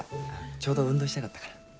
ちょうど運動したかったから。